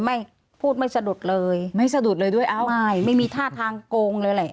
ไม่พูดไม่สะดุดเลยไม่สะดุดเลยด้วยเอ้าใช่ไม่มีท่าทางโกงเลยแหละ